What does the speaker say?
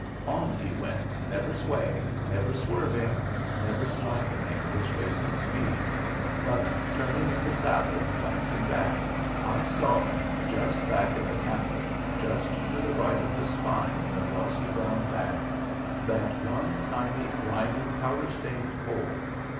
On he went, never swaying, never swerving, never slackening his racing speed; but, turning in the saddle and glancing back, I saw, just back of the cantle, just to the right of the spine in the glossy brown back, that one tiny, grimy, powder stained hole.